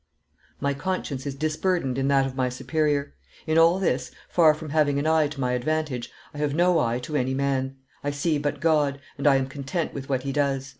My conscience is disburdened in that of my superior. In all this, far from having an eye to my advantage, I have no eye to any man; I see but God, and I am content with what He does."